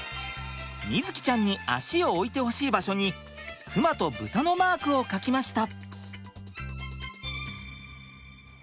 瑞己ちゃんに足を置いてほしい場所にクマとブタのマークを描きました！